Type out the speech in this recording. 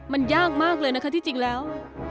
มันยากมากเลยนะคะที่จริงแล้ว